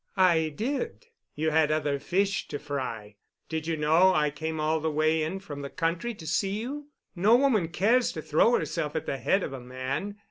"I did. You had other fish to fry. Did you know I came all the way in from the country to see you? No woman cares to throw herself at the head of a man.